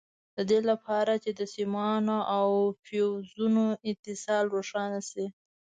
د دې لپاره چې د سیمانو او فیوزونو اتصال روښانه شي.